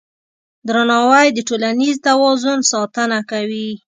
درناوی د ټولنیز توازن ساتنه کوي.